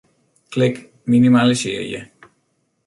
Klik Minimalisearje.